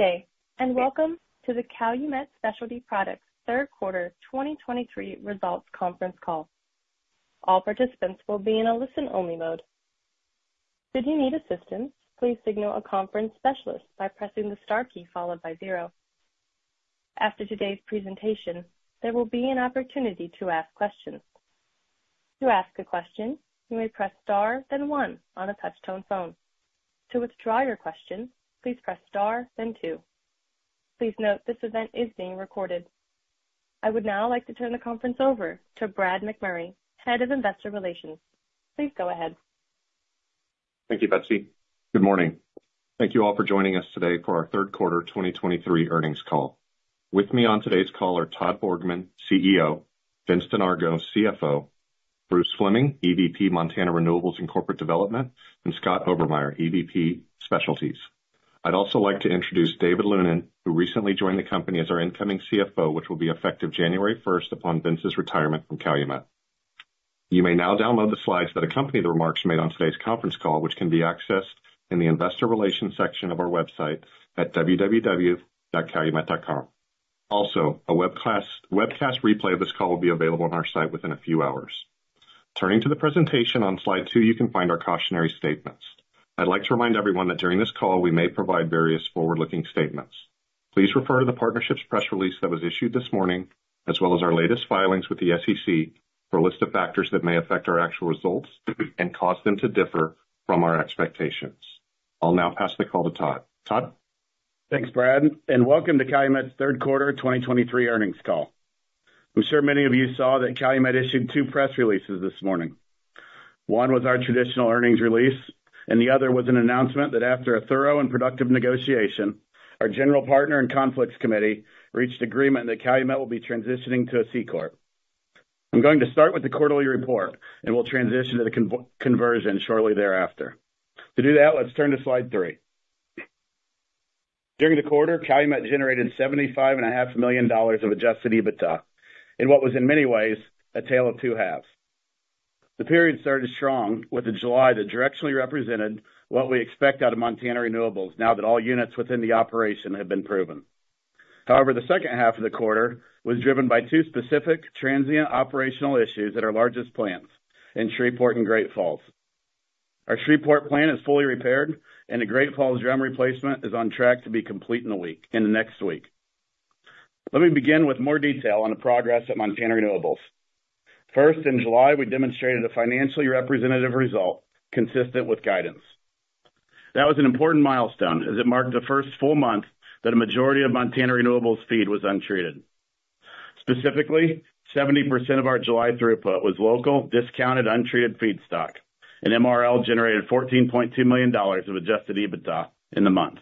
Good day, and welcome to the Calumet Specialty Products third quarter 2023 results conference call. All participants will be in a listen-only mode. Should you need assistance, please signal a conference specialist by pressing the star key followed by zero. After today's presentation, there will be an opportunity to ask questions. To ask a question, you may press star, then one on a touch-tone phone. To withdraw your question, please press star, then two. Please note, this event is being recorded. I would now like to turn the conference over to Brad McMurray, Head of Investor Relations. Please go ahead. Thank you, Betsy. Good morning. Thank you all for joining us today for our third quarter 2023 earnings call. With me on today's call are Todd Borgmann, CEO; Vince Donargo, CFO; Bruce Fleming, EVP, Montana Renewables and Corporate Development; and Scott Obermeier, EVP Specialties. I'd also like to introduce David Lunin, who recently joined the company as our incoming CFO, which will be effective January 1st upon Vince's retirement from Calumet. You may now download the slides that accompany the remarks made on today's conference call, which can be accessed in the Investor Relations section of our website at www.calumet.com. Also, a webcast replay of this call will be available on our site within a few hours. Turning to the presentation on slide two, you can find our cautionary statements. I'd like to remind everyone that during this call, we may provide various forward-looking statements. Please refer to the partnership's press release that was issued this morning, as well as our latest filings with the SEC, for a list of factors that may affect our actual results and cause them to differ from our expectations. I'll now pass the call to Todd. Todd? Thanks, Brad, and welcome to Calumet's third quarter 2023 earnings call. I'm sure many of you saw that Calumet issued two press releases this morning. One was our traditional earnings release, and the other was an announcement that after a thorough and productive negotiation, our general partner and conflicts committee reached agreement that Calumet will be transitioning to a C-corp. I'm going to start with the quarterly report, and we'll transition to the conversion shortly thereafter. To do that, let's turn to slide three. During the quarter, Calumet generated $75.5 million of adjusted EBITDA in what was in many ways a tale of two halves. The period started strong with a July that directionally represented what we expect out of Montana Renewables now that all units within the operation have been proven. However, the second half of the quarter was driven by two specific transient operational issues at our largest plants in Shreveport and Great Falls. Our Shreveport plant is fully repaired, and the Great Falls drum replacement is on track to be complete in a week, in the next week. Let me begin with more detail on the progress at Montana Renewables. First, in July, we demonstrated a financially representative result consistent with guidance. That was an important milestone as it marked the first full month that a majority of Montana Renewables feed was untreated. Specifically, 70% of our July throughput was local, discounted, untreated feedstock, and MRL generated $14.2 million of Adjusted EBITDA in the month.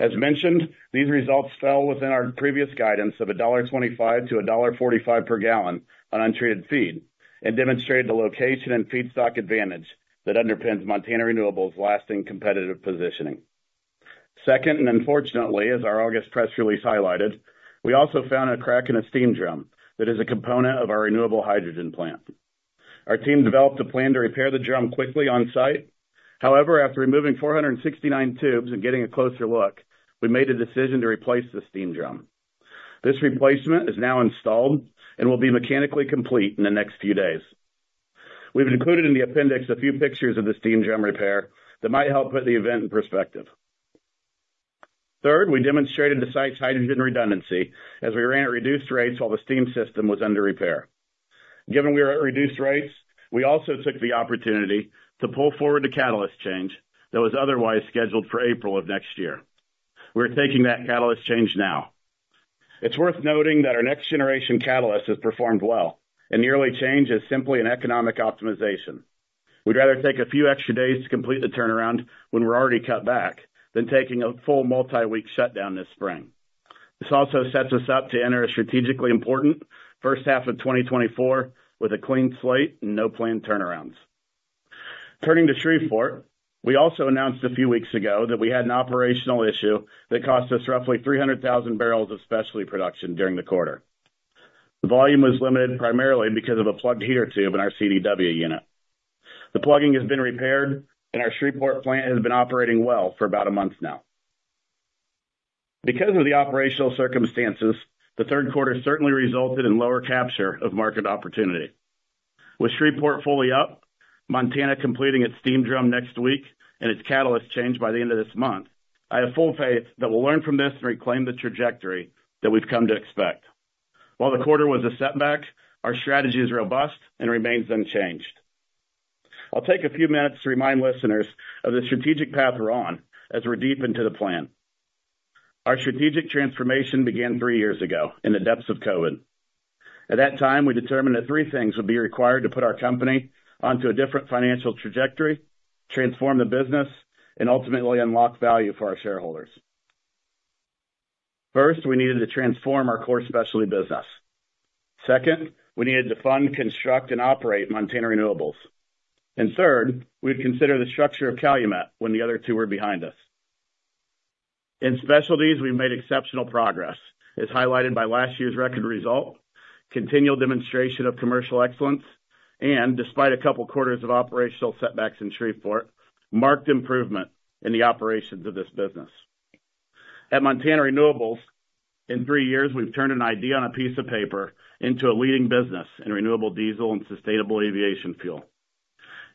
As mentioned, these results fell within our previous guidance of $1.25-$1.45 per gallon on untreated feed and demonstrated the location and feedstock advantage that underpins Montana Renewables' lasting competitive positioning. Second, and unfortunately, as our August press release highlighted, we also found a crack in a steam drum that is a component of our renewable hydrogen plant. Our team developed a plan to repair the drum quickly on site. However, after removing 469 tubes and getting a closer look, we made a decision to replace the steam drum. This replacement is now installed and will be mechanically complete in the next few days. We've included in the appendix a few pictures of the steam drum repair that might help put the event in perspective. Third, we demonstrated the site's hydrogen redundancy as we ran at reduced rates while the steam system was under repair. Given we were at reduced rates, we also took the opportunity to pull forward a catalyst change that was otherwise scheduled for April of next year. We're taking that catalyst change now. It's worth noting that our next generation catalyst has performed well, and the early change is simply an economic optimization. We'd rather take a few extra days to complete the turnaround when we're already cut back than taking a full multi-week shutdown this spring. This also sets us up to enter a strategically important first half of 2024 with a clean slate and no planned turnarounds. Turning to Shreveport, we also announced a few weeks ago that we had an operational issue that cost us roughly 300,000 barrels of specialty production during the quarter. The volume was limited primarily because of a plugged heater tube in our CDU unit. The plugging has been repaired, and our Shreveport plant has been operating well for about a month now. Because of the operational circumstances, the third quarter certainly resulted in lower capture of market opportunity. With Shreveport fully up, Montana completing its steam drum next week, and its catalyst change by the end of this month, I have full faith that we'll learn from this and reclaim the trajectory that we've come to expect. While the quarter was a setback, our strategy is robust and remains unchanged. I'll take a few minutes to remind listeners of the strategic path we're on as we're deep into the plan. Our strategic transformation began three years ago in the depths of COVID. At that time, we determined that three things would be required to put our company onto a different financial trajectory, transform the business, and ultimately unlock value for our shareholders. First, we needed to transform our core specialty business. Second, we needed to fund, construct, and operate Montana Renewables. And third, we would consider the structure of Calumet when the other two were behind us. In specialties, we've made exceptional progress, as highlighted by last year's record result, continual demonstration of commercial excellence, and, despite a couple quarters of operational setbacks in Shreveport, marked improvement in the operations of this business. At Montana Renewables, in three years, we've turned an idea on a piece of paper into a leading business in renewable diesel and sustainable aviation fuel.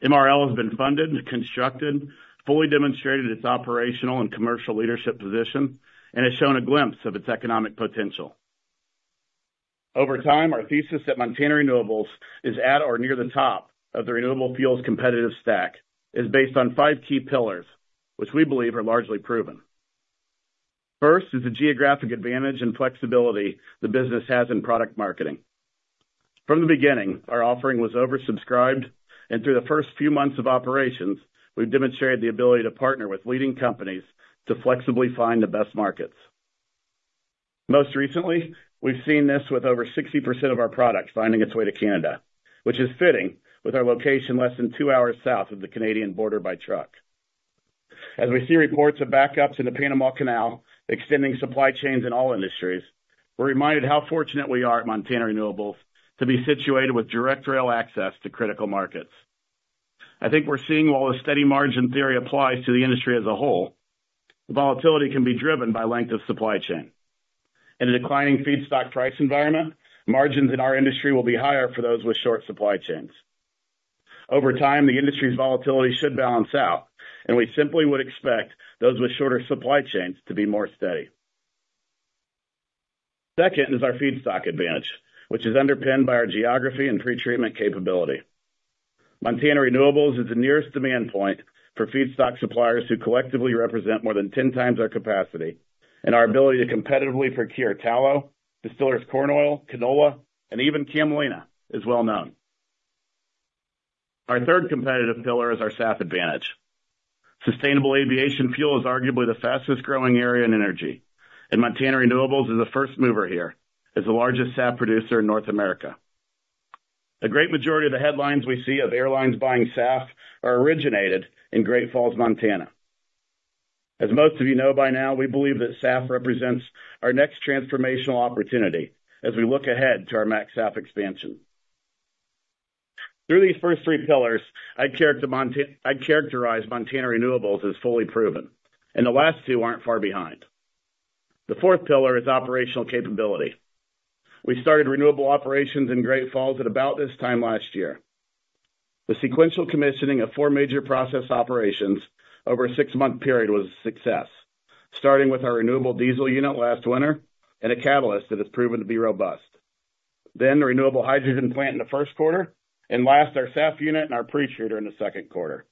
MRL has been funded, constructed, fully demonstrated its operational and commercial leadership position, and has shown a glimpse of its economic potential. Over time, our thesis at Montana Renewables is at or near the top of the renewable fuels competitive stack, is based on five key pillars, which we believe are largely proven. First is the geographic advantage and flexibility the business has in product marketing. From the beginning, our offering was oversubscribed, and through the first few months of operations, we've demonstrated the ability to partner with leading companies to flexibly find the best markets. Most recently, we've seen this with over 60% of our products finding its way to Canada, which is fitting with our location less than two hours south of the Canadian border by truck. As we see reports of backups in the Panama Canal, extending supply chains in all industries, we're reminded how fortunate we are at Montana Renewables to be situated with direct rail access to critical markets. I think we're seeing while a steady margin theory applies to the industry as a whole, the volatility can be driven by length of supply chain. In a declining feedstock price environment, margins in our industry will be higher for those with short supply chains. Over time, the industry's volatility should balance out, and we simply would expect those with shorter supply chains to be more steady. Second is our feedstock advantage, which is underpinned by our geography and pretreatment capability. Montana Renewables is the nearest demand point for feedstock suppliers who collectively represent more than 10 times our capacity, and our ability to competitively procure tallow, distillers corn oil, canola, and even camelina is well known. Our third competitive pillar is our SAF advantage. Sustainable aviation fuel is arguably the fastest-growing area in energy, and Montana Renewables is a first mover here as the largest SAF producer in North America. A great majority of the headlines we see of airlines buying SAF are originated in Great Falls, Montana. As most of you know by now, we believe that SAF represents our next transformational opportunity as we look ahead to our MaxSAF expansion. Through these first three pillars, I'd characterize Montana Renewables as fully proven, and the last two aren't far behind. The fourth pillar is operational capability. We started renewable operations in Great Falls at about this time last year. The sequential commissioning of four major process operations over a six-month period was a success, starting with our renewable diesel unit last winter and a catalyst that has proven to be robust. Then the renewable hydrogen plant in the first quarter, and last, our SAF unit and our pretreater in the second quarter.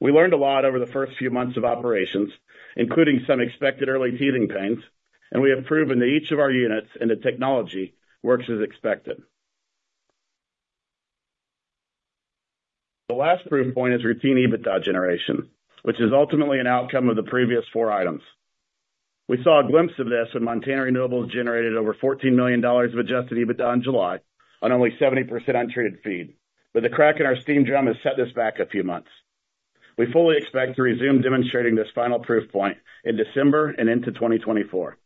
We learned a lot over the first few months of operations, including some expected early teething pains, and we have proven that each of our units and the technology works as expected. The last proof point is routine EBITDA generation, which is ultimately an outcome of the previous four items. We saw a glimpse of this when Montana Renewables generated over $14 million of Adjusted EBITDA in July on only 70% untreated feed, but the crack in our steam drum has set this back a few months. We fully expect to resume demonstrating this final proof point in December and into 2024.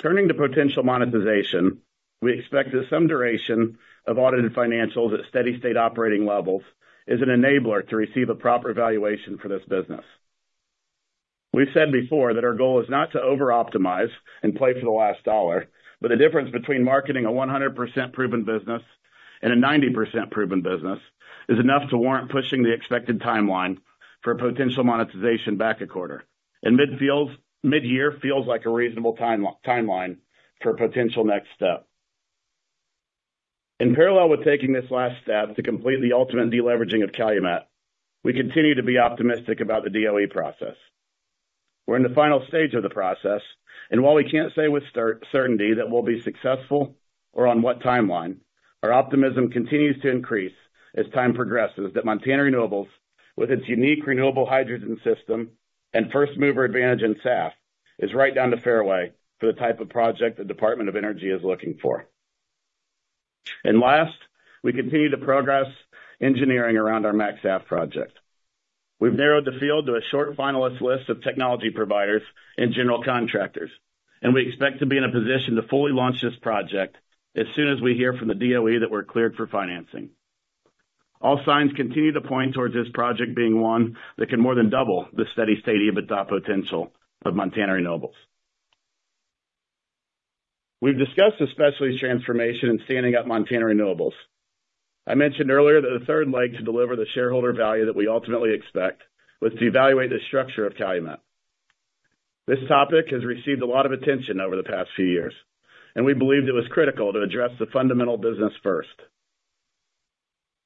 Turning to potential monetization, we expect that some duration of audited financials at steady state operating levels is an enabler to receive a proper valuation for this business. We've said before that our goal is not to over-optimize and play for the last dollar, but the difference between marketing a 100% proven business and a 90% proven business is enough to warrant pushing the expected timeline for a potential monetization back a quarter. Midyear feels like a reasonable timeline for a potential next step. In parallel with taking this last step to complete the ultimate deleveraging of Calumet, we continue to be optimistic about the DOE process. We're in the final stage of the process, and while we can't say with certainty that we'll be successful or on what timeline, our optimism continues to increase as time progresses, that Montana Renewables, with its unique renewable hydrogen system and first-mover advantage in SAF, is right down the fairway for the type of project the Department of Energy is looking for. And last, we continue to progress engineering around our MaxSAF project. We've narrowed the field to a short finalist list of technology providers and general contractors, and we expect to be in a position to fully launch this project as soon as we hear from the DOE that we're cleared for financing. All signs continue to point towards this project being one that can more than double the steady-state EBITDA potential of Montana Renewables. We've discussed the specialties transformation and standing up Montana Renewables. I mentioned earlier that the third leg to deliver the shareholder value that we ultimately expect was to evaluate the structure of Calumet. This topic has received a lot of attention over the past few years, and we believed it was critical to address the fundamental business first.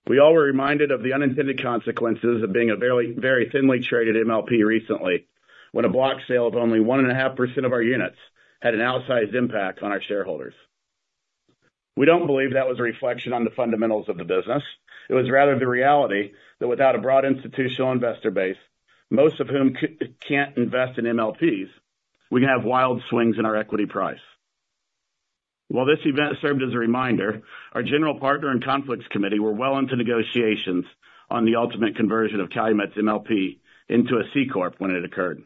We all were reminded of the unintended consequences of being a very thinly traded MLP recently, when a block sale of only 1.5% of our units had an outsized impact on our shareholders. We don't believe that was a reflection on the fundamentals of the business. It was rather the reality that without a broad institutional investor base, most of whom can't invest in MLPs, we can have wild swings in our equity price. While this event served as a reminder, our General Partner and Conflicts Committee were well into negotiations-... On the ultimate conversion of Calumet's MLP into a C-corp when it occurred.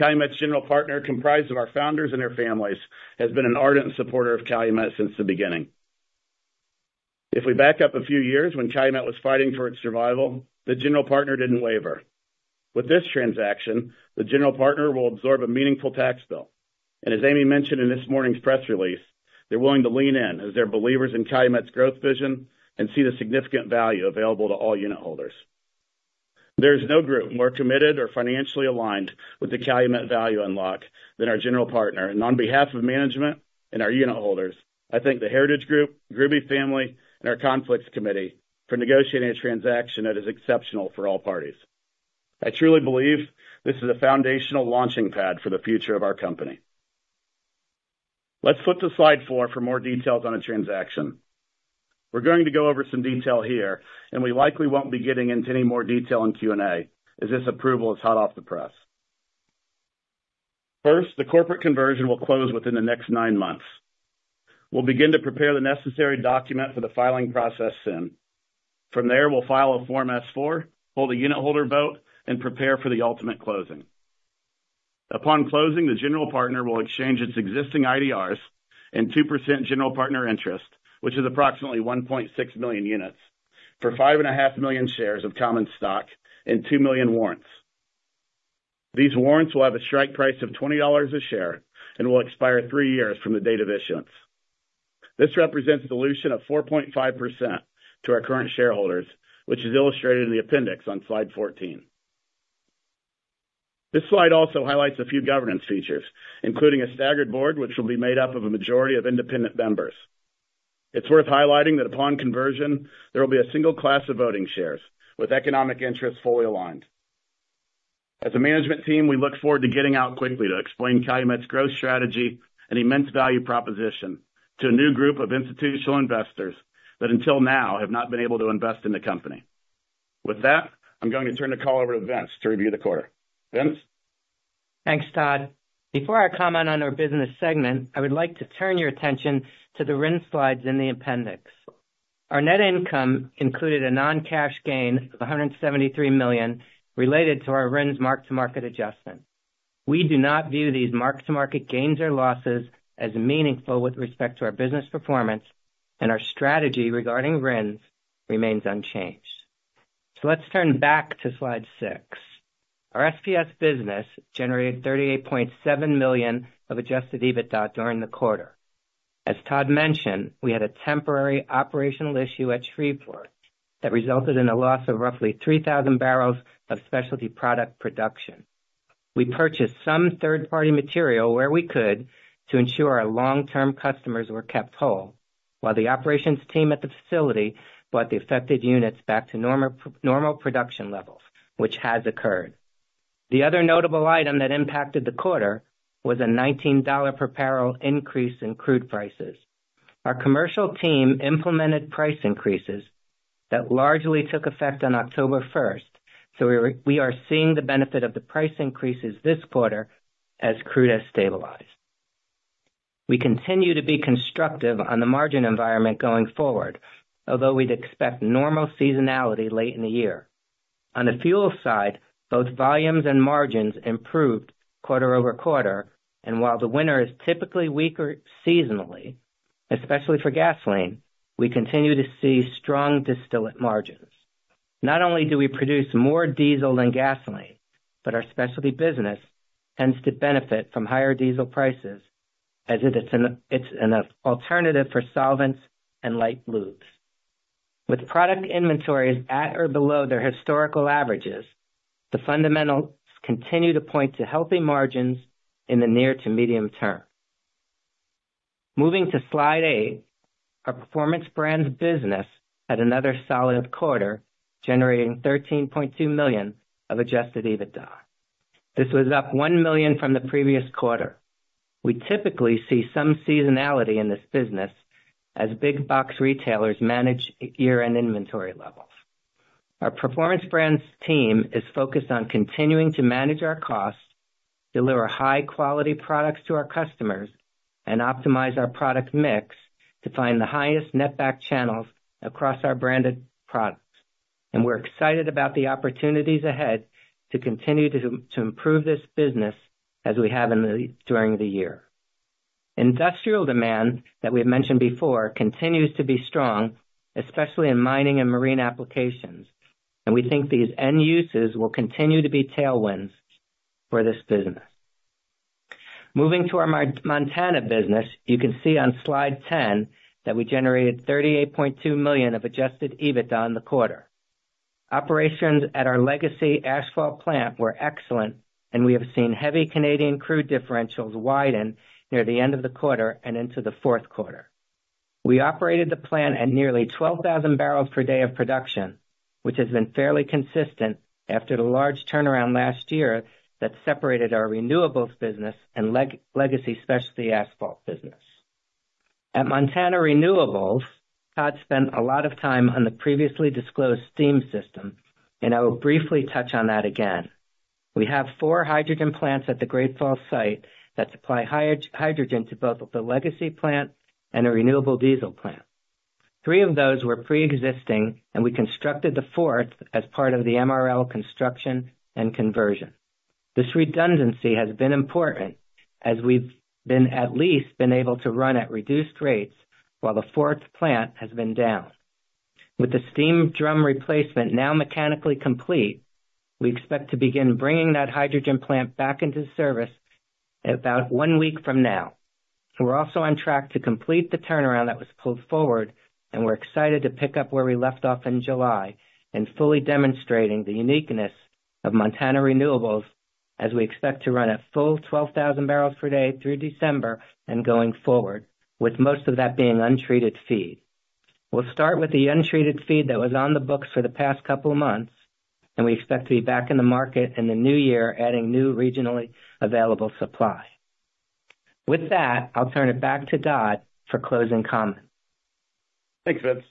Calumet's general partner, comprised of our founders and their families, has been an ardent supporter of Calumet since the beginning. If we back up a few years when Calumet was fighting for its survival, the general partner didn't waver. With this transaction, the general partner will absorb a meaningful tax bill. As Amy mentioned in this morning's press release, they're willing to lean in as they're believers in Calumet's growth vision and see the significant value available to all unit holders. There's no group more committed or financially aligned with the Calumet value unlock than our general partner. On behalf of management and our unit holders, I thank the Heritage Group, Grube family, and our Conflicts Committee for negotiating a transaction that is exceptional for all parties. I truly believe this is a foundational launching pad for the future of our company. Let's flip to slide four for more details on the transaction. We're going to go over some detail here, and we likely won't be getting into any more detail in Q&A, as this approval is hot off the press. First, the corporate conversion will close within the next nine months. We'll begin to prepare the necessary document for the filing process soon. From there, we'll file a Form S-4, hold a unit holder vote, and prepare for the ultimate closing. Upon closing, the general partner will exchange its existing IDRs and 2% general partner interest, which is approximately 1.6 million units, for 5.5 million shares of common stock and 2 million warrants. These warrants will have a strike price of $20 a share and will expire three years from the date of issuance. This represents dilution of 4.5% to our current shareholders, which is illustrated in the appendix on slide 14. This slide also highlights a few governance features, including a staggered board, which will be made up of a majority of independent members. It's worth highlighting that upon conversion, there will be a single class of voting shares with economic interests fully aligned. As a management team, we look forward to getting out quickly to explain Calumet's growth strategy and immense value proposition to a new group of institutional investors that, until now, have not been able to invest in the company. With that, I'm going to turn the call over to Vince to review the quarter. Vince? Thanks, Todd. Before I comment on our business segment, I would like to turn your attention to the RIN slides in the appendix. Our net income included a non-cash gain of $173 million related to our RINs mark-to-market adjustment. We do not view these mark-to-market gains or losses as meaningful with respect to our business performance, and our strategy regarding RINs remains unchanged. So let's turn back to slide six. Our SPS business generated $38.7 million of Adjusted EBITDA during the quarter. As Todd mentioned, we had a temporary operational issue at Shreveport that resulted in a loss of roughly 3,000 barrels of specialty product production. We purchased some third-party material where we could to ensure our long-term customers were kept whole, while the operations team at the facility brought the affected units back to normal production levels, which has occurred. The other notable item that impacted the quarter was a $19 per barrel increase in crude prices. Our commercial team implemented price increases that largely took effect on October first, so we are seeing the benefit of the price increases this quarter as crude has stabilized. We continue to be constructive on the margin environment going forward, although we'd expect normal seasonality late in the year. On the fuel side, both volumes and margins improved quarter-over-quarter, and while the winter is typically weaker seasonally, especially for gasoline, we continue to see strong distillate margins. Not only do we produce more diesel than gasoline, but our specialty business tends to benefit from higher diesel prices as it's an alternative for solvents and light lubes. With product inventories at or below their historical averages, the fundamentals continue to point to healthy margins in the near- to medium-term. Moving to slide eight, our Performance Brands business had another solid quarter, generating $13.2 million of Adjusted EBITDA. This was up $1 million from the previous quarter. We typically see some seasonality in this business as big box retailers manage year-end inventory levels. Our Performance Brands team is focused on continuing to manage our costs, deliver high-quality products to our customers, and optimize our product mix to find the highest net back channels across our branded products. We're excited about the opportunities ahead to continue to improve this business as we have during the year. Industrial demand, that we've mentioned before, continues to be strong, especially in mining and marine applications, and we think these end uses will continue to be tailwinds for this business. Moving to our Montana business, you can see on Slide 10 that we generated $38.2 million of adjusted EBITDA in the quarter. Operations at our legacy asphalt plant were excellent, and we have seen heavy Canadian crude differentials widen near the end of the quarter and into the fourth quarter. We operated the plant at nearly 12,000 barrels per day of production, which has been fairly consistent after the large turnaround last year that separated our renewables business and legacy specialty asphalt business. At Montana Renewables, Todd spent a lot of time on the previously disclosed steam system, and I will briefly touch on that again. We have four hydrogen plants at the Great Falls site that supply hydrogen to both the legacy plant and a renewable diesel plant. Three of those were pre-existing, and we constructed the fourth as part of the MRL construction and conversion. This redundancy has been important as we've been able to run at reduced rates while the fourth plant has been down. With the steam drum replacement now mechanically complete, we expect to begin bringing that hydrogen plant back into service about one week from now. We're also on track to complete the turnaround that was pulled forward, and we're excited to pick up where we left off in July and fully demonstrating the uniqueness of Montana Renewables as we expect to run a full 12,000 barrels per day through December and going forward, with most of that being untreated feed. We'll start with the untreated feed that was on the books for the past couple of months, and we expect to be back in the market in the new year, adding new regionally available supply. With that, I'll turn it back to Todd for closing comments. Thanks, Vince.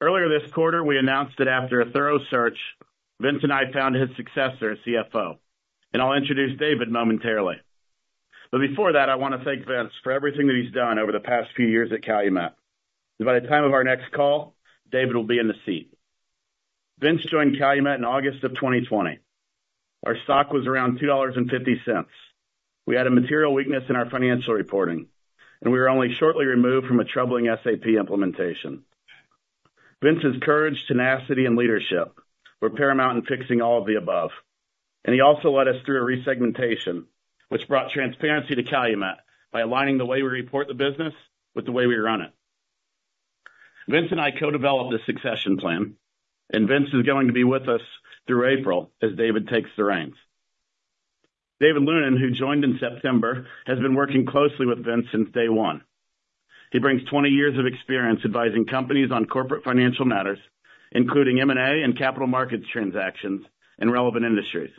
Earlier this quarter, we announced that after a thorough search, Vince and I found his successor, CFO, and I'll introduce David momentarily. But before that, I want to thank Vince for everything that he's done over the past few years at Calumet. By the time of our next call, David will be in the seat. Vince joined Calumet in August 2020. Our stock was around $2.50. We had a material weakness in our financial reporting, and we were only shortly removed from a troubling SAP implementation. Vince's courage, tenacity and leadership were paramount in fixing all of the above, and he also led us through a resegmentation, which brought transparency to Calumet by aligning the way we report the business with the way we run it. Vince and I co-developed a succession plan, and Vince is going to be with us through April as David takes the reins. David Lunin, who joined in September, has been working closely with Vince since day one. He brings 20 years of experience advising companies on corporate financial matters, including M&A and capital markets transactions in relevant industries.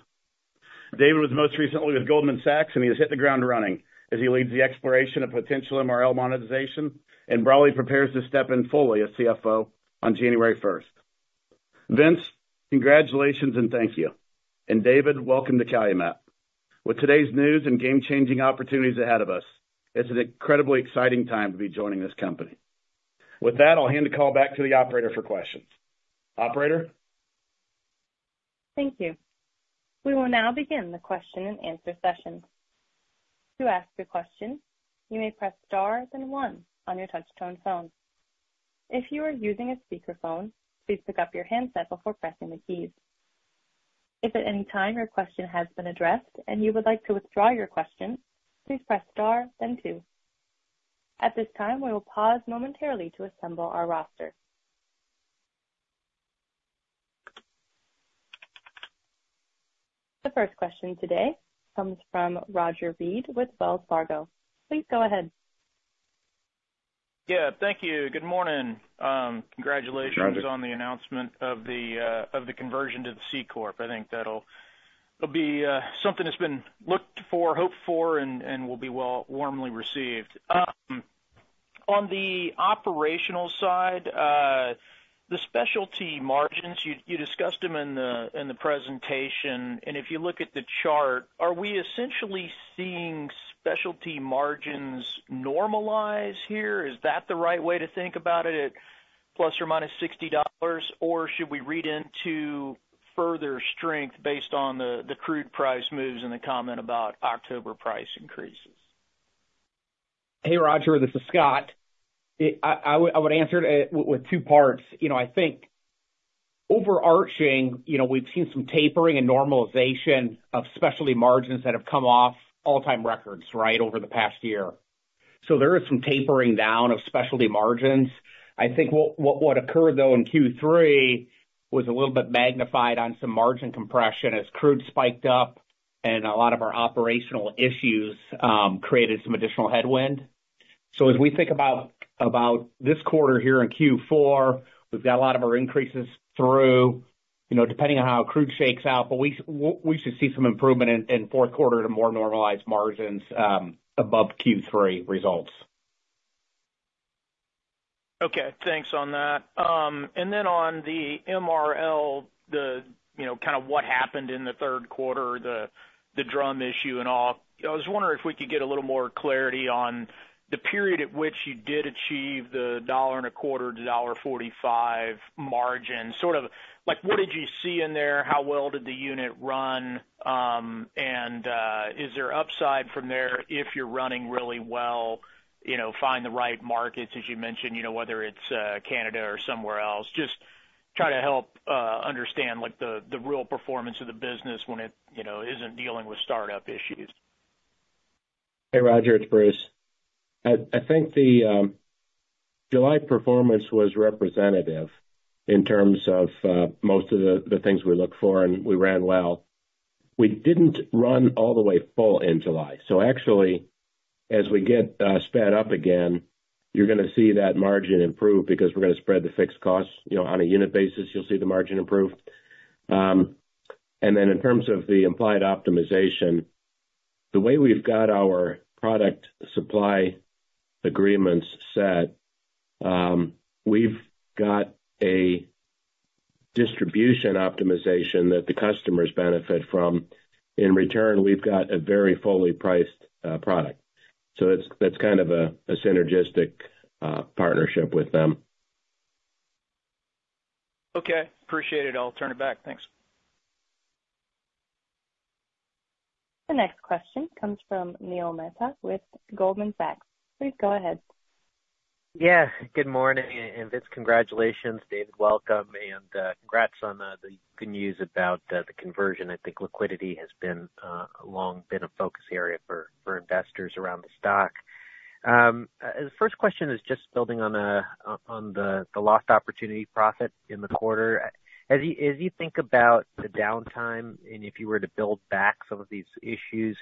David was most recently with Goldman Sachs, and he has hit the ground running as he leads the exploration of potential MRL monetization and broadly prepares to step in fully as CFO on January first. Vince, congratulations and thank you. And David, welcome to Calumet. With today's news and game-changing opportunities ahead of us, it's an incredibly exciting time to be joining this company. With that, I'll hand the call back to the operator for questions. Operator? Thank you. We will now begin the question-and-answer session. To ask a question, you may press star then one on your touchtone phone. If you are using a speakerphone, please pick up your handset before pressing the keys. If at any time your question has been addressed and you would like to withdraw your question, please press star then two. At this time, we will pause momentarily to assemble our roster. The first question today comes from Roger Reed with Wells Fargo. Please go ahead. Yeah, thank you. Good morning. Congratulations- Hey, Roger. On the announcement of the conversion to the C-corp. I think that'll be something that's been looked for, hoped for, and will be warmly received. On the operational side, the specialty margins you discussed them in the presentation, and if you look at the chart, are we essentially seeing specialty margins normalize here? Is that the right way to think about it, at ±$60? Or should we read into further strength based on the crude price moves and the comment about October price increases? Hey, Roger, this is Scott. I would answer it with two parts. You know, I think overarching, you know, we've seen some tapering and normalization of specialty margins that have come off all-time records, right, over the past year. So there is some tapering down of specialty margins. I think what occurred, though, in Q3 was a little bit magnified on some margin compression as crude spiked up and a lot of our operational issues created some additional headwind. So as we think about this quarter here in Q4, we've got a lot of our increases through, you know, depending on how crude shakes out, but we should see some improvement in fourth quarter to more normalized margins above Q3 results. Okay. Thanks on that. And then on the MRL, the, you know, kind of what happened in the third quarter, the drum issue and all, I was wondering if we could get a little more clarity on the period at which you did achieve the $1.25-$1.45 margin. Sort of like, what did you see in there? How well did the unit run? And is there upside from there if you're running really well, you know, find the right markets, as you mentioned, you know, whether it's Canada or somewhere else? Just try to help understand, like, the real performance of the business when it, you know, isn't dealing with startup issues. Hey, Roger, it's Bruce. I think the July performance was representative in terms of most of the things we look for, and we ran well. We didn't run all the way full in July. So actually, as we get sped up again, you're gonna see that margin improve because we're gonna spread the fixed costs. You know, on a unit basis, you'll see the margin improve. And then in terms of the implied optimization- ...The way we've got our product supply agreements set, we've got a distribution optimization that the customers benefit from. In return, we've got a very fully priced product. So it's, that's kind of a synergistic partnership with them. Okay. Appreciate it. I'll turn it back. Thanks. The next question comes from Neil Mehta with Goldman Sachs. Please go ahead. Yeah, good morning, and Vince, congratulations. Dave, welcome, and congrats on the good news about the conversion. I think liquidity has been a long been a focus area for investors around the stock. The first question is just building on the lost opportunity profit in the quarter. As you think about the downtime and if you were to build back some of these issues,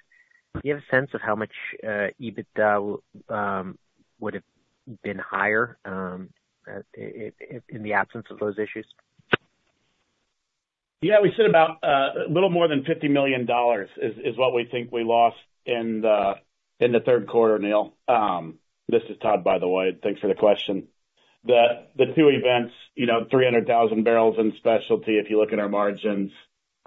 do you have a sense of how much EBITDA would have been higher in the absence of those issues? Yeah, we said about a little more than $50 million is what we think we lost in the third quarter, Neil. This is Todd, by the way. Thanks for the question. The two events, you know, 300,000 barrels in specialty, if you look at our margins,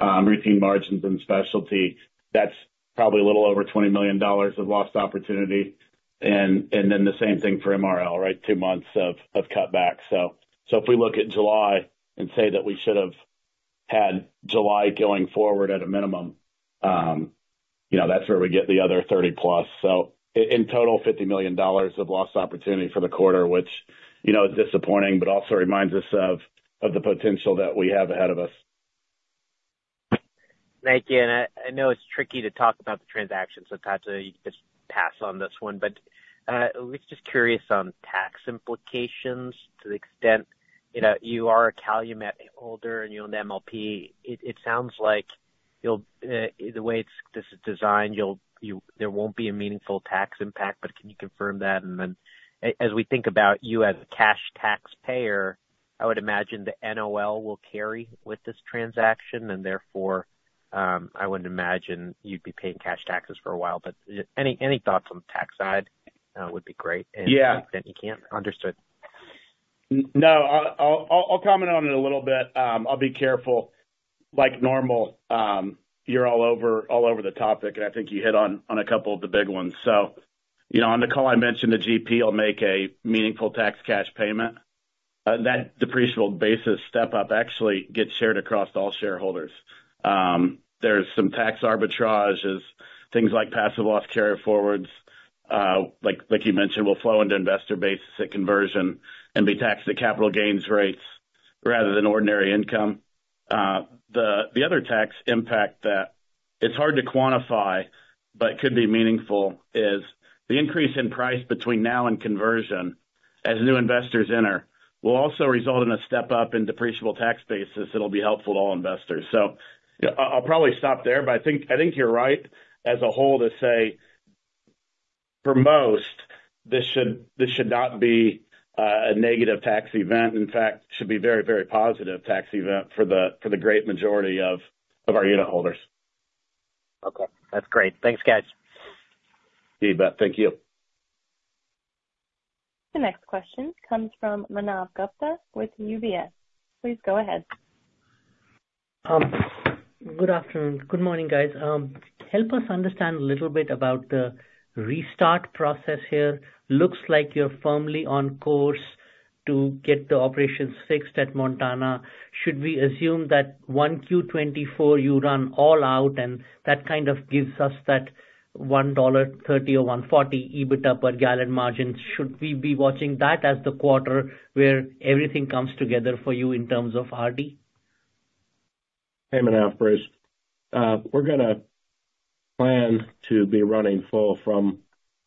routine margins in specialty, that's probably a little over $20 million of lost opportunity. And then the same thing for MRL, right? Two months of cutback. So if we look at July and say that we should have had July going forward at a minimum, you know, that's where we get the other $30+million. So in total, $50 million of lost opportunity for the quarter, which, you know, is disappointing, but also reminds us of the potential that we have ahead of us. Thank you. And I know it's tricky to talk about the transaction, so Todd, you can just pass on this one, but we're just curious on tax implications to the extent, you know, you are a Calumet holder and you own the MLP. It sounds like the way it's designed, there won't be a meaningful tax impact, but can you confirm that? And then as we think about you as a cash taxpayer, I would imagine the NOL will carry with this transaction, and therefore, I wouldn't imagine you'd be paying cash taxes for a while. But any thoughts on the tax side would be great. Yeah. If you can't, understood. No, I'll comment on it a little bit. I'll be careful. Like normal, you're all over the topic, and I think you hit on a couple of the big ones. So, you know, on the call I mentioned, the GP will make a meaningful tax cash payment. That depreciable basis step up actually gets shared across all shareholders. There's some tax arbitrages, things like passive loss carryforwards, like you mentioned, will flow into investor basis at conversion and be taxed at capital gains rates rather than ordinary income. The other tax impact that it's hard to quantify but could be meaningful is the increase in price between now and conversion, as new investors enter, will also result in a step up in depreciable tax basis that'll be helpful to all investors. So, I'll probably stop there, but I think, I think you're right, as a whole, to say, for most, this should, this should not be a negative tax event. In fact, should be very, very positive tax event for the, for the great majority of our unit holders. Okay. That's great. Thanks, guys. You bet. Thank you. The next question comes from Manav Gupta with UBS. Please go ahead. Good afternoon. Good morning, guys. Help us understand a little bit about the restart process here. Looks like you're firmly on course to get the operations fixed at Montana. Should we assume that 1Q-2024, you run all out, and that kind of gives us that $1.30 or $1.40 EBITDA per gallon margin? Should we be watching that as the quarter where everything comes together for you in terms of RD? Hey, Manav, Bruce. We're gonna plan to be running full from,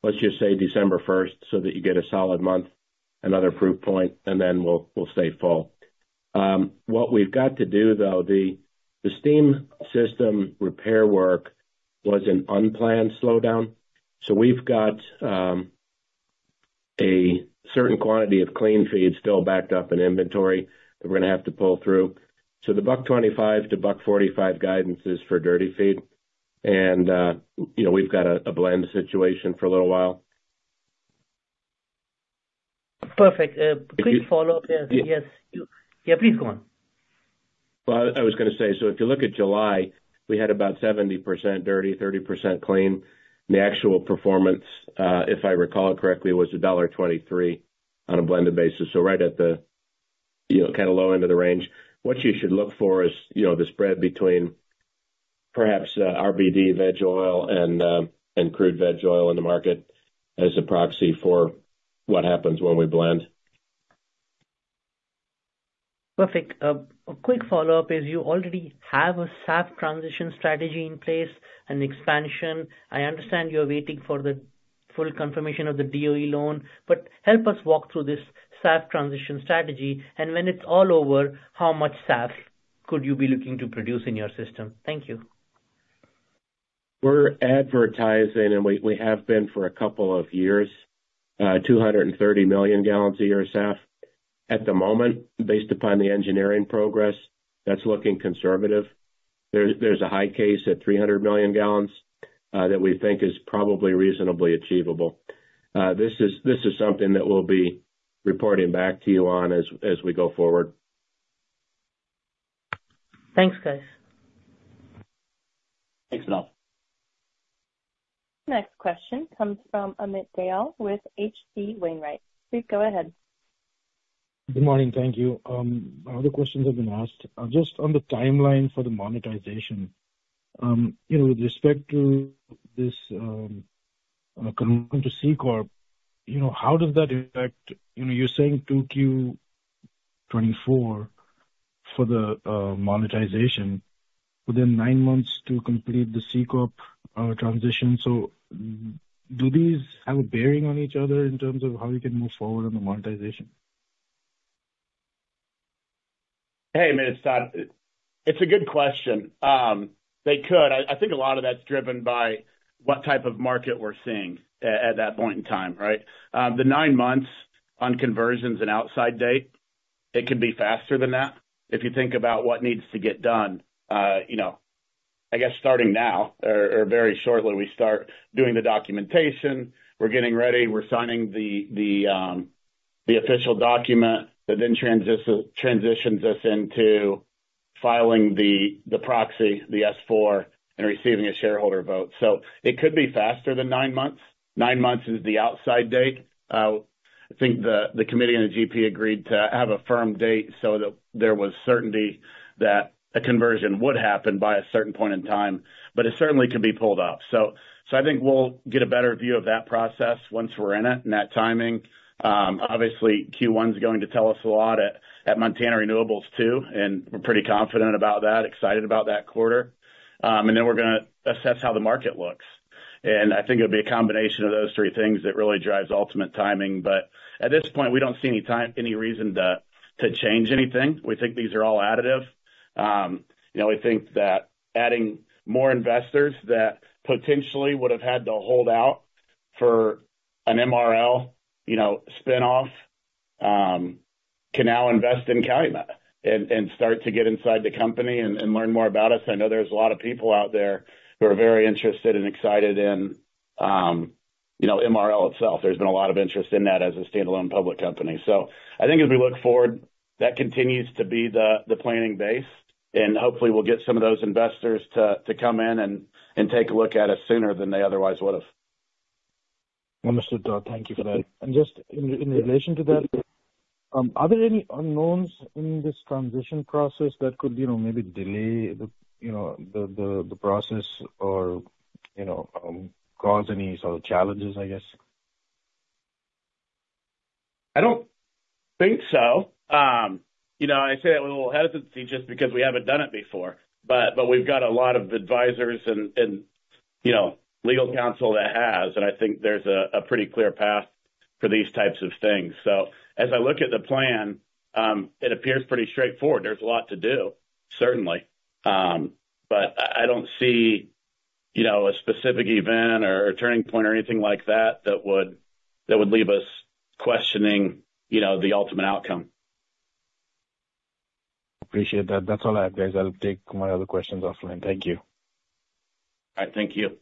let's just say, December first, so that you get a solid month, another proof point, and then we'll stay full. What we've got to do, though, the steam system repair work was an unplanned slowdown, so we've got a certain quantity of clean feed still backed up in inventory that we're gonna have to pull through. So the $125-$145 guidance is for dirty feed, and, you know, we've got a blend situation for a little while. Perfect. Quick follow-up. Yes. Yeah, please, go on. Well, I was gonna say, so if you look at July, we had about 70% dirty, 30% clean. The actual performance, if I recall it correctly, was $1.23 on a blended basis, so right at the, you know, kind of low end of the range. What you should look for is, you know, the spread between perhaps, RBD, veg oil and and crude veg oil in the market as a proxy for what happens when we blend. Perfect. A quick follow-up is, you already have a SAF transition strategy in place, an expansion. I understand you're waiting for the full confirmation of the DOE loan, but help us walk through this SAF transition strategy, and when it's all over, how much SAF could you be looking to produce in your system? Thank you. We're advertising, and we have been for a couple of years, 230 million gallons a year, SAF.... at the moment, based upon the engineering progress, that's looking conservative. There's a high case at 300 million gallons that we think is probably reasonably achievable. This is something that we'll be reporting back to you on as we go forward. Thanks, guys. Thanks a lot. Next question comes from Amit Dayal with H.C. Wainwright. Please go ahead. Good morning. Thank you. All the questions have been asked. Just on the timeline for the monetization, you know, with respect to this, conversion to C-corp, you know, how does that impact—you know, you're saying 2Q 2024 for the, monetization, within 9 months to complete the C-corp, transition. So do these have a bearing on each other in terms of how you can move forward on the monetization? Hey, Amit, it's Todd. It's a good question. They could. I think a lot of that's driven by what type of market we're seeing at that point in time, right? The nine months on conversion's an outside date. It could be faster than that. If you think about what needs to get done, you know, I guess starting now or very shortly, we start doing the documentation. We're getting ready, we're signing the official document that then transitions us into filing the proxy, the S-4, and receiving a shareholder vote. So it could be faster than nine months. Nine months is the outside date. I think the committee and the GP agreed to have a firm date so that there was certainty that a conversion would happen by a certain point in time, but it certainly could be pulled off. So I think we'll get a better view of that process once we're in it, and that timing. Obviously, Q1 is going to tell us a lot at Montana Renewables, too, and we're pretty confident about that, excited about that quarter. And then we're gonna assess how the market looks, and I think it'll be a combination of those three things that really drives ultimate timing. But at this point, we don't see any reason to change anything. We think these are all additive. You know, we think that adding more investors that potentially would have had to hold out for an MRL, you know, spin-off, can now invest in Calumet and, and start to get inside the company and, and learn more about us. I know there's a lot of people out there who are very interested and excited in, you know, MRL itself. There's been a lot of interest in that as a standalone public company. So I think as we look forward, that continues to be the, the planning base, and hopefully we'll get some of those investors to, to come in and, and take a look at us sooner than they otherwise would have. Understood. Thank you for that. And just in relation to that, are there any unknowns in this transition process that could, you know, maybe delay the, you know, the process or, you know, cause any sort of challenges, I guess? I don't think so. You know, I say that with a little hesitancy just because we haven't done it before, but, but we've got a lot of advisors and, and, you know, legal counsel that has, and I think there's a pretty clear path for these types of things. So as I look at the plan, it appears pretty straightforward. There's a lot to do, certainly, but I, I don't see, you know, a specific event or a turning point or anything like that, that would leave us questioning, you know, the ultimate outcome. Appreciate that. That's all I have, guys. I'll take my other questions offline. Thank you. All right. Thank you.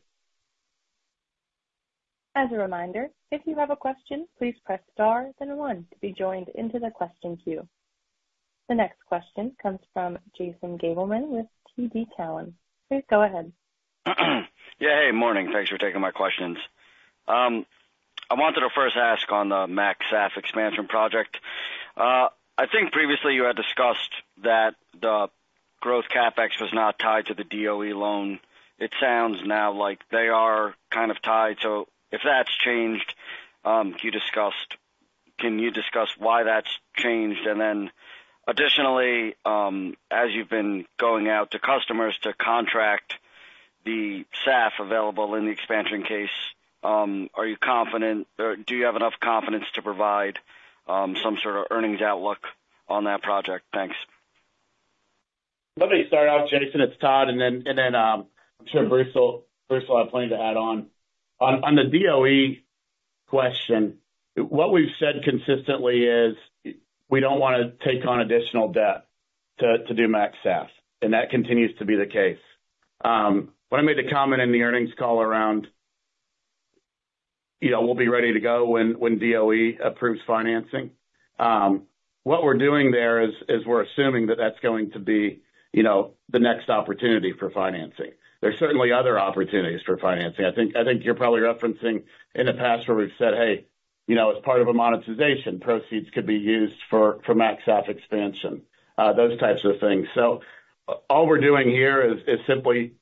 As a reminder, if you have a question, please press star then 1 to be joined into the question queue. The next question comes from Jason Gabelman with TD Cowen. Please go ahead. Yeah. Hey, morning. Thanks for taking my questions. I wanted to first ask on the MaxSAF expansion project. I think previously you had discussed that the growth CapEx was not tied to the DOE loan. It sounds now like they are kind of tied. So if that's changed, can you discuss, can you discuss why that's changed? And then additionally, as you've been going out to customers to contract the SAF available in the expansion case, are you confident, or do you have enough confidence to provide some sort of earnings outlook on that project? Thanks. Let me start out, Jason. It's Todd, and then, I'm sure Bruce will have plenty to add on. On the DOE question, what we've said consistently is, we don't want to take on additional debt to do MaxSAF, and that continues to be the case. When I made the comment in the earnings call around, you know, we'll be ready to go when DOE approves financing, what we're doing there is we're assuming that that's going to be, you know, the next opportunity for financing. There's certainly other opportunities for financing. I think you're probably referencing in the past where we've said, "Hey, you know, as part of a monetization, proceeds could be used for MaxSAF expansion," those types of things. So all we're doing here is simply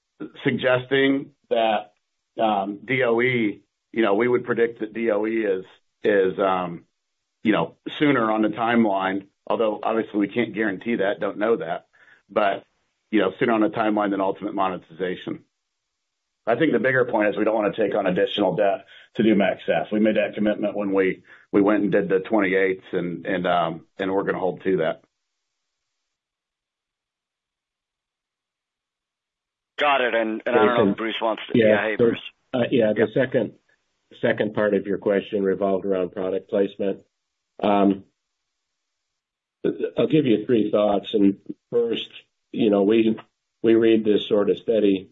suggesting that, DOE, you know, we would predict that DOE is, you know, sooner on the timeline, although obviously we can't guarantee that, don't know that, but, you know, sooner on the timeline than ultimate monetization. I think the bigger point is we don't want to take on additional debt to do MaxSAF. We made that commitment when we went and did the 28, and we're gonna hold to that.... and I don't know if Bruce wants to, yeah. Yeah, the second, second part of your question revolved around product placement. I'll give you three thoughts, and first, you know, we, we read this sort of steady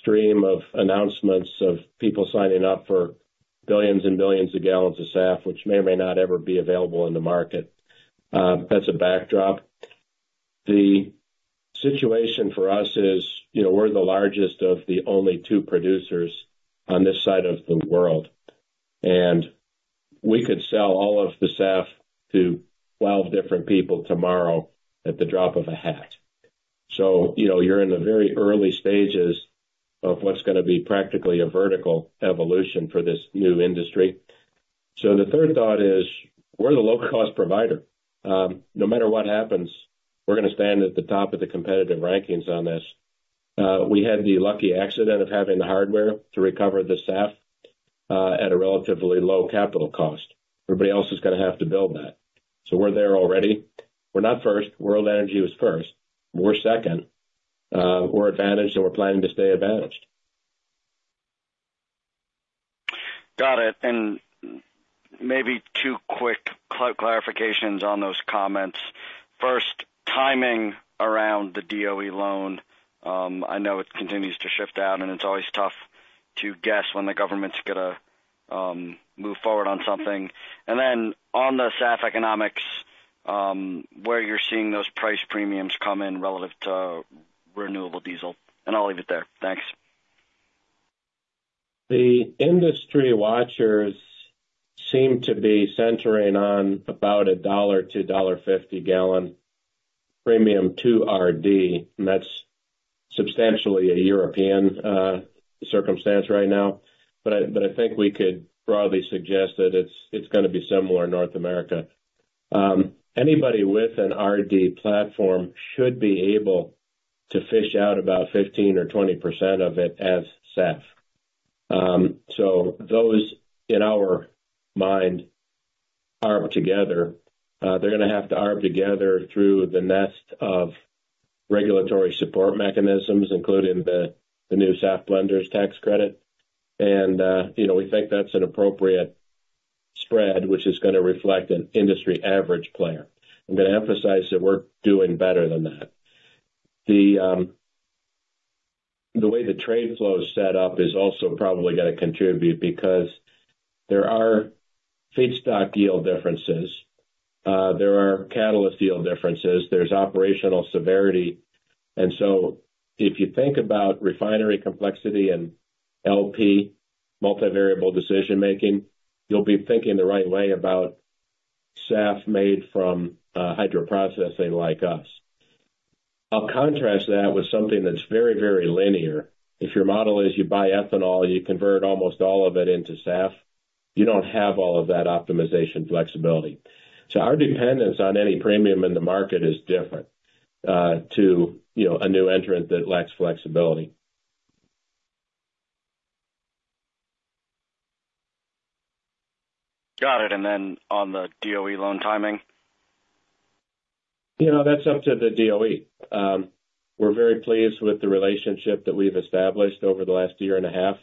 stream of announcements of people signing up for billions and billions of gallons of SAF, which may or may not ever be available in the market. That's a backdrop. The situation for us is, you know, we're the largest of the only two producers on this side of the world, and we could sell all of the SAF to 12 different people tomorrow at the drop of a hat. So, you know, you're in the very early stages of what's gonna be practically a vertical evolution for this new industry. So the third thought is, we're the low-cost provider. No matter what happens, we're gonna stand at the top of the competitive rankings on this. We had the lucky accident of having the hardware to recover the SAF, at a relatively low capital cost. Everybody else is gonna have to build that. So we're there already. We're not first. World Energy was first. We're second. We're advantaged, and we're planning to stay advantaged. Got it. And maybe two quick clarifications on those comments. First, timing around the DOE loan. I know it continues to shift out, and it's always tough to guess when the government's gonna move forward on something. And then on the SAF economics, where you're seeing those price premiums come in relative to renewable diesel, and I'll leave it there. Thanks. The industry watchers seem to be centering on about a $1-$1.50/gallon premium to RD, and that's substantially a European circumstance right now. But I, but I think we could broadly suggest that it's gonna be similar in North America. Anybody with an RD platform should be able to fish out about 15% or 20% of it as SAF. So those, in our mind, arb together. They're gonna have to arb together through the nest of regulatory support mechanisms, including the new SAF blenders tax credit. And, you know, we think that's an appropriate spread, which is gonna reflect an industry average player. I'm gonna emphasize that we're doing better than that. The way the trade flow is set up is also probably gonna contribute because there are feedstock yield differences, there are catalyst yield differences, there's operational severity. And so if you think about refinery complexity and LP multivariable decision making, you'll be thinking the right way about SAF made from hydroprocessing like us. I'll contrast that with something that's very, very linear. If your model is you buy ethanol, you convert almost all of it into SAF, you don't have all of that optimization flexibility. So our dependence on any premium in the market is different to, you know, a new entrant that lacks flexibility. Got it. And then on the DOE loan timing? You know, that's up to the DOE. We're very pleased with the relationship that we've established over the last year and a half.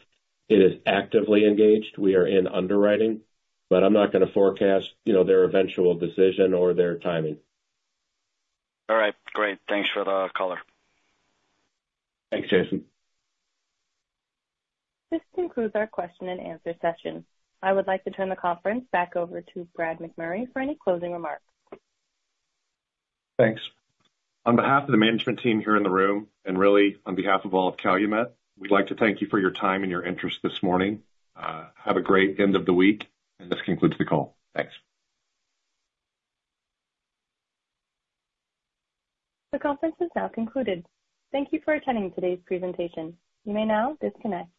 It is actively engaged. We are in underwriting, but I'm not gonna forecast, you know, their eventual decision or their timing. All right, great. Thanks for the color. Thanks, Jason. This concludes our question and answer session. I would like to turn the conference back over to Brad McMurray for any closing remarks. Thanks. On behalf of the management team here in the room, and really on behalf of all of Calumet, we'd like to thank you for your time and your interest this morning. Have a great end of the week, and this concludes the call. Thanks. The conference is now concluded. Thank you for attending today's presentation. You may now disconnect.